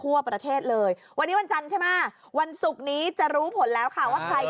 วันนี้วันจันทร์ใช่ม่ะวันศุกร์นี้จะรู้ผลแล้วค่ะว่าใคร